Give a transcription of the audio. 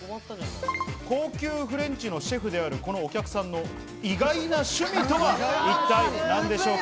高級フレンチのシェフである、このお客さんの意外な趣味とは一体何でしょうか？